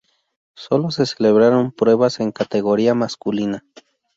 Sólo se celebraron pruebas en categoría masculina.